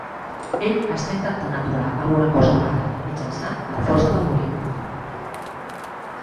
Ell està intentant aturar alguna cosa ara, mitjançant la força del bolígraf.